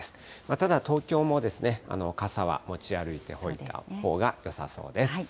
ただ、東京も傘は持ち歩いていたほうがよさそうです。